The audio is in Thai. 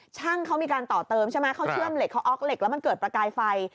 ช่างเขามีการต่อเติมใช่ไหมเขาเชื่อมเหล็กเขาออกเหล็กแล้วมันเกิดประกายไฟ